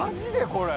これ。